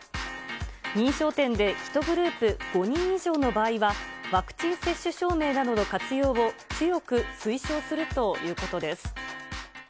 認証店で１グループ５人以上の場合は、ワクチン接種証明などの活用を強く推奨するということです。